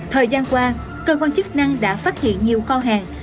thời gian qua cơ quan chức năng đã phát hiện nhiều kho hàng